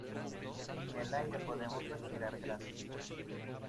Ni el aire podremos respirar gratis.